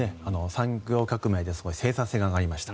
産業革命ですごい生産性が上がりました。